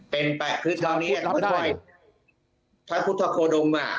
เป็นแปลกคือช่วงนี้พระพุทธโฆดม